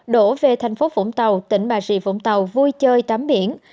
đổ về thành phố vũng tàu tỉnh bà rịa vũng tàu vui chơi tắm biển